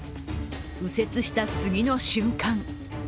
右折した次の瞬間。